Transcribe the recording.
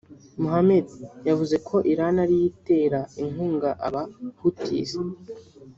Mohammed yavuze ko Iran ariyo itera inkunga Aba-Houthis